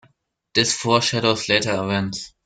This foreshadows later events.